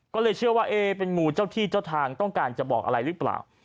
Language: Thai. ก็เลยเชื่อว่าเอ๊เป็นงูเจ้าที่เจ้าทางต้องการจะบอกอะไรหรือเปล่า